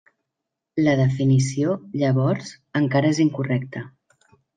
La definició, llavors, encara és incorrecta.